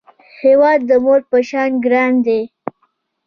هیواد د مور په شان ګران دی